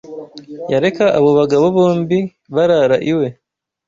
Yareka abo bagabo bombi barara iwe.